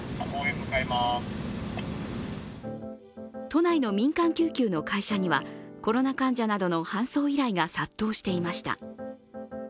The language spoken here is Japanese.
都内の民間救急の会社にはコロナ患者などの搬送依頼が殺到していました。